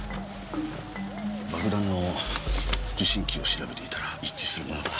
爆弾の受信機を調べていたら一致するものが。